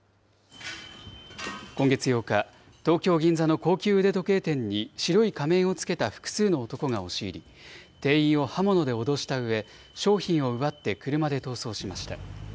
今月８日、東京・銀座の高級腕時計店に白い仮面をつけた複数の男が押し入り、店員を刃物で脅したうえ、商品を奪って車で逃走しました。